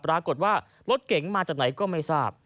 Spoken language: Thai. ปรากฏว่ารถเก๋งมาจากไหนก็ไม่ทราบ